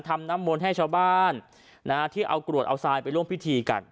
น้ำมนต์ให้ชาวบ้านนะฮะที่เอากรวดเอาทรายไปร่วมพิธีกัน